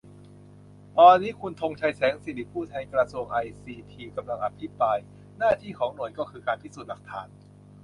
ตอนนี้ คุณธงชัย แสงสิริ ผู้แทนกระทรวงไอซีที กำลังอภิปราย หน้าที่ของหน่วยก็คือ การพิสูจน์หลักฐาน